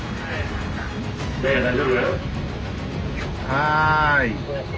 はい。